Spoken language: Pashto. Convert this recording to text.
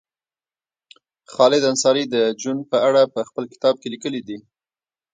خالد انصاري د جون په اړه په خپل کتاب کې لیکلي دي